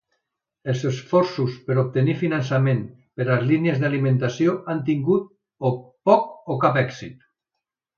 Els esforços per obtenir finançament per a les línies d'alimentació han tingut poc o cap èxit.